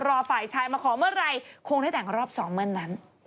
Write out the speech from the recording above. ฝ่ายชายมาขอเมื่อไหร่คงได้แต่งรอบสองเมื่อนั้น